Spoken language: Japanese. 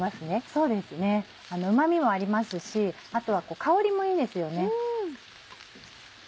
そうですねうま味もありますしあとは香りもいいですよね。